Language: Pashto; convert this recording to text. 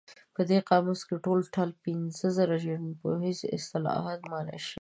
په دې قاموس کې ټول ټال پنځه زره ژبپوهنیز اصطلاحات مانا شوي دي.